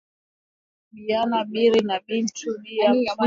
Biyana biri iba bintu bia ku fanya nabio Kaji ku mashamba